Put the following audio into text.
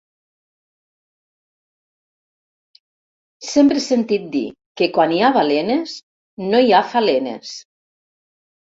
Sempre he sentit dir que quan hi ha balenes no hi ha falenes!